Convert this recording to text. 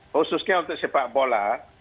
khususnya untuk sepak bola